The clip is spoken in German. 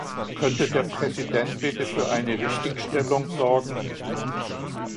Könnte der Präsident bitte für eine Richtigstellung sorgen?